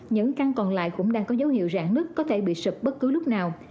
những căn còn lại cũng đang có dấu hiệu rạn nước có thể bị sụp bất cứ lúc nào